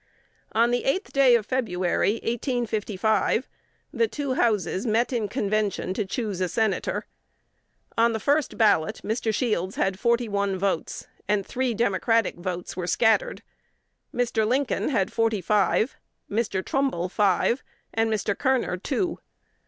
On the eighth day of February, 1855, the two Houses met in convention to choose a Senator. On the first ballot, Mr. Shields had forty one votes, and three Democratic votes were scattered. Mr. Lincoln had forty five, Mr. Trumbull five, and Mr. Koerner two.